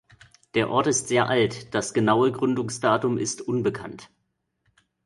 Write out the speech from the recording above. Der Ort ist sehr alt, das genaue Gründungsdatum ist unbekannt.